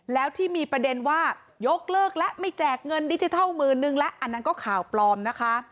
แล้วที่มีประเด็นว่ายกเลิกแล้วไม่แจกเงินดิจิทัลหมื่นนึงแล้วอันนั้นก็ข่าวปลอมนะคะ